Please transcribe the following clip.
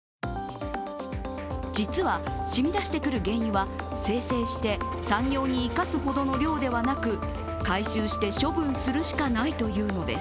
実は、しみ出してくる原油は精製して産業に生かすほどの量ではなく、回収して処分するしかないというのです。